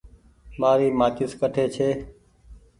مآري مآچيس ڪٺي ڇي۔